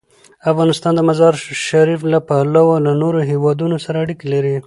افغانستان د مزارشریف له پلوه له نورو هېوادونو سره اړیکې لري.